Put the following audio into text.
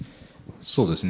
そうですね。